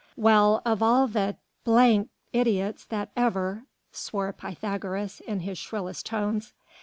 "Well, of all the d d idiots that ever...." swore Pythagoras, in his shrillest tones.